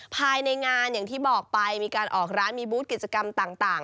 ภายในงานอย่างที่บอกไปมีการออกร้านมีบูธกิจกรรมต่าง